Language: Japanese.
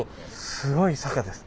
すごい坂です。